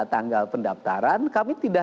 tanggal pendaftaran kami tidak